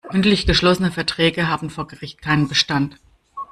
Mündlich geschlossene Verträge haben vor Gericht keinen Bestand.